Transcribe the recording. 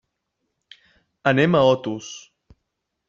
Anem a Otos.